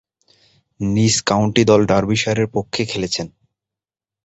নিজ কাউন্টি দল ডার্বিশায়ারের পক্ষে খেলেছেন।